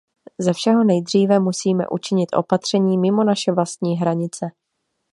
Ze všeho nejdříve musíme učinit opatření mimo naše vlastní hranice.